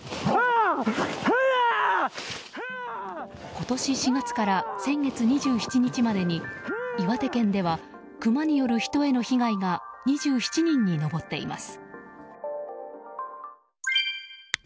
今年４月から先月２７日までに岩手県ではクマによる人への被害が２７人に上っています。